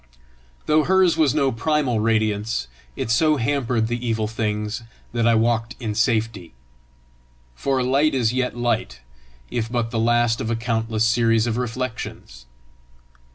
Though hers was no primal radiance, it so hampered the evil things, that I walked in safety. For light is yet light, if but the last of a countless series of reflections!